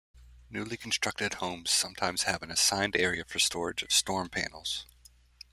Newly constructed homes sometimes have an assigned area for storage of storm panels.